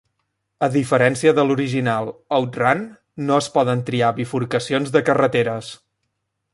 A diferència de l'original "Out Run", no es poden triar bifurcacions de carreteres.